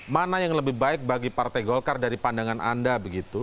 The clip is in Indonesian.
mana yang lebih baik bagi partai golkar dari pandangan anda begitu